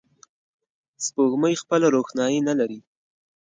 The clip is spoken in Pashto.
سپوږمۍ خپله روښنایي نه لري